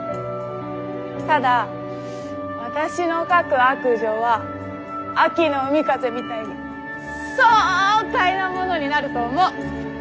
ただ私の書く悪女は秋の海風みたいに爽快なものになると思う。